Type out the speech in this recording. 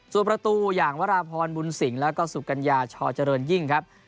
ส่วนประตูอย่างวราพรบุญสิงห์แล้วก็สุกัญญาชอเจริญยิ่งครับ